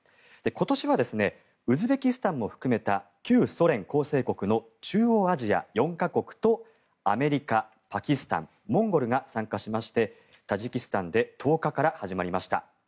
今年は、ウズベキスタンも含めた旧ソ連構成国の中央アジア４か国とアメリカ、パキスタンモンゴルが参加しましてタジキスタンで１０日から始まりました。